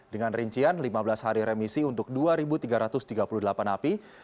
dengan rincian lima belas hari remisi untuk dua tiga ratus tiga puluh delapan napi